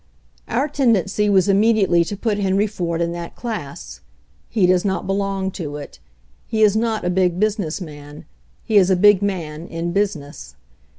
Our tendency was immediately to put Henry Ford in that class. He does not belong to it He is not a Big Business Man; he is a big man in . business.